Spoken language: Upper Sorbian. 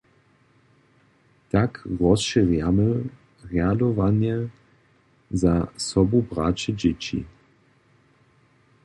Tak rozšěrjamy rjadowanje za sobubraće dźěći.